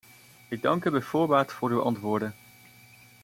Ik dank u bij voorbaat voor uw antwoorden.